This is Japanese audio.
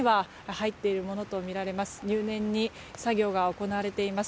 入念に作業が行われています。